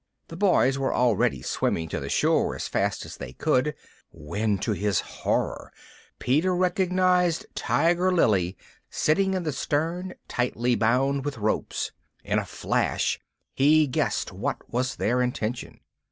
The boys were already swimming to the shore as fast as they could, when to his horror Peter recognised Tiger Lily sitting in the stern, tightly bound with ropes. In a flash he guessed what was their intention.